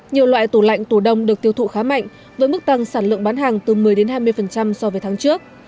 nhiều loại tủ lạnh tủ đông được tiêu thụ khá mạnh với mức tăng sản lượng bán hàng từ một mươi hai mươi so với tháng trước